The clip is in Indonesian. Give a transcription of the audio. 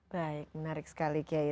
baik menarik sekali kyai